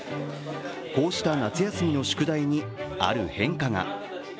こうした夏休みの宿題にある変化が。